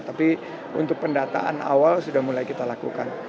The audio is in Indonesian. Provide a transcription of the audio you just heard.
tapi untuk pendataan awal sudah mulai kita lakukan